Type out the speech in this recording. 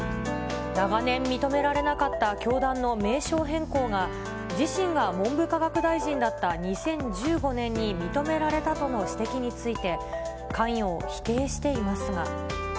長年認められなかった教団の名称変更が、自身が文部科学大臣だった２０１５年に認められたとの指摘について、関与を否定していますが。